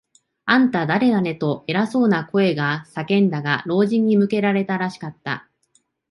「あんた、だれだね？」と、偉そうな声が叫んだが、老人に向けられたらしかった。